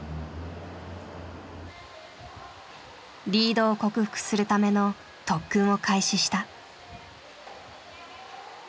リードを克服するための特訓を開始した。